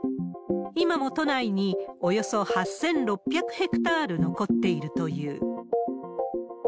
今も都内におよそ８６００ヘクタール残っているという。